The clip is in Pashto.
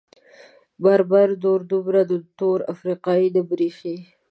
بربر نور دومره تور افریقايي نه برېښي.